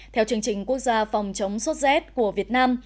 theo chương trình quốc gia phòng chống sốt z của việt nam